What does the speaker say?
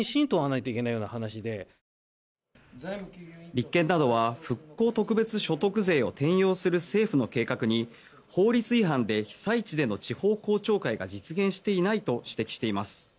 立憲などは復興特別所得税を転用する政府の計画に法律違反で被災地での地方公聴会が実現していないと指摘しています。